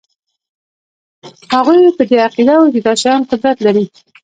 هغوی په دې عقیده وو چې دا شیان قدرت لري